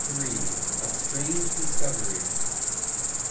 A STRANGE DISCOVERY.